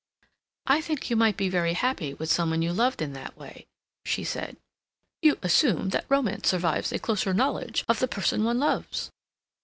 "I think you might be very happy with some one you loved in that way," she said. "You assume that romance survives a closer knowledge of the person one loves?"